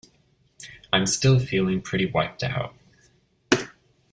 I'm still feeling pretty wiped out.